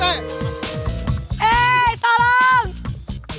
hidup pak rt